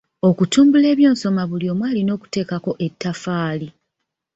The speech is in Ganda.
Okutumbula ebyensoma buli omu alina okuteekako ettaffaali.